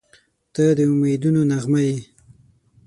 • ته د امیدونو نغمه یې.